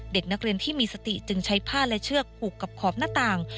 เด็กนักเรียนที่มีสติจึงใช้ผ้าและเชือกผูกกับขอบหน้าต่าง